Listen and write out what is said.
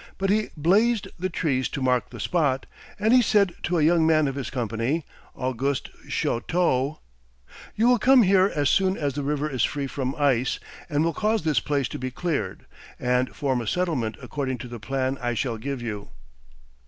But he "blazed" the trees to mark the spot, and he said to a young man of his company, Auguste Chouteau: "You will come here as soon as the river is free from ice, and will cause this place to be cleared, and form a settlement according to the plan I shall give you."